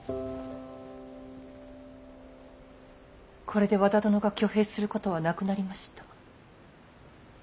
これで和田殿が挙兵することはなくなりました。